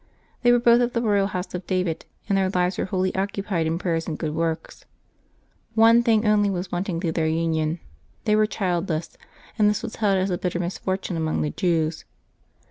They were both of the royal house of David, and their lives were wholly occupied in prayer and good works. One thing only was wanting to their union — they were childless, and this was held as a bitter misfortune among the Jews.